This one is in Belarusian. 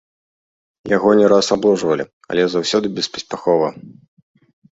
Яго не раз абложвалі, але заўсёды беспаспяхова.